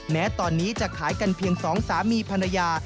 แม้ตอนนี้จะขายกันเพียงสองสามีภรรยา